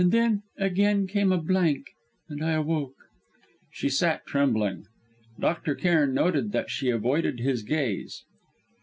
Then, again came a blank, and I awoke." She sat trembling. Dr. Cairn noted that she avoided his gaze.